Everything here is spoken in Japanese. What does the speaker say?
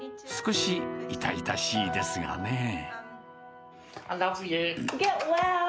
少し痛々しいですよね。